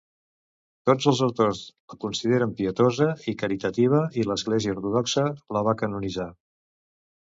Tots els autors la consideren pietosa i caritativa i l'església ortodoxa la va canonitzar.